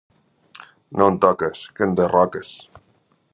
No em toques, que em derroques.